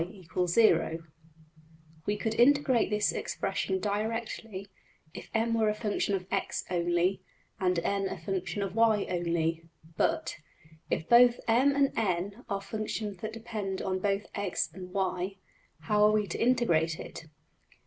\end{DPgather*} We could integrate this expression directly, if $M$ were a function of~$x$ only, and $N$~a function of~$y$ only; but, if both $M$~and~$N$ are functions that depend on both $x$~and~$y$, how are we to integrate it?